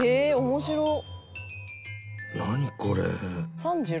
面白っ！」